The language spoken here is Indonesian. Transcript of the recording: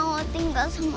aku mau tinggal sama mama